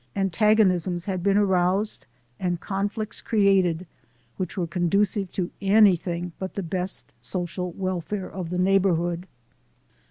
Antagonisms had been aroused and conflicts created which were conducive to anything but the best social welfare of the neighborhood.